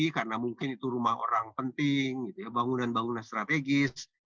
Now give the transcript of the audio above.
karena mungkin itu rumah orang penting bangunan bangunan strategis